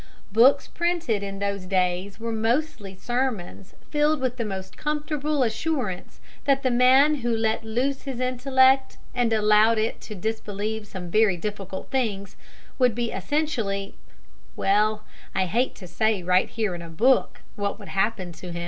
Books printed in those days were mostly sermons filled with the most comfortable assurance that the man who let loose his intellect and allowed it to disbelieve some very difficult things would be essentially well, I hate to say right here in a book what would happen to him.